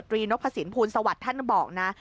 ตรีนกภาษีนภูมิสวรรค์ท่านบอกนะ